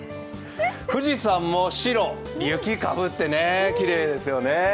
富士山も白、雪かぶってきれいですよね。